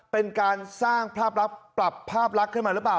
เป็นการสร้างภาพลักษณ์ปรับภาพลักษณ์ขึ้นมาหรือเปล่า